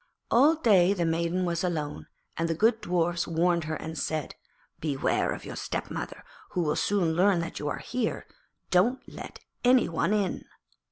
All day the maiden was alone, and the good Dwarfs warned her and said, 'Beware of your stepmother, who will soon learn that you are here. Don't let any one in.'